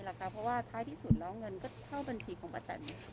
เพราะว่าท้ายที่สุดแล้วเงินก็เข้าบัญชีของป้าแตน